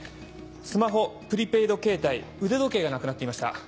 スマホプリペイドケータイ腕時計がなくなっていました。